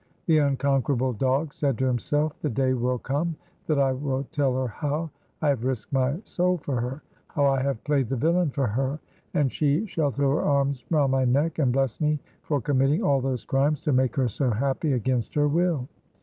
The unconquerable dog said to himself: "The day will come that I will tell her how I have risked my soul for her; how I have played the villain for her; and she shall throw her arms round my neck, and bless me for committing all those crimes to make her so happy against her will."